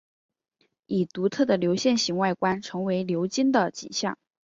以独特的流线型外观成为流经的景象。